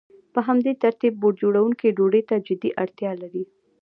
په همدې ترتیب بوټ جوړونکی ډوډۍ ته جدي اړتیا لري